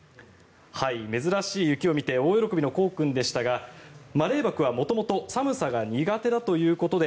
珍しい雪を見て大喜びのコウ君でしたがマレーバクは元々寒さが苦手だということで